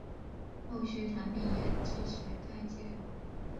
后续产品也支持该技术